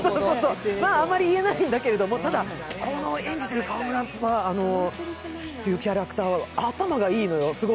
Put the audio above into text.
あまり言えないんだけども、ただ、演じている川村というキャラクターは頭がいいのよ、すごく。